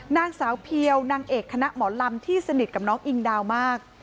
นางสาวเพียวนางเอกคณะหมอลำที่สนิทกับน้องอิงดาวมาก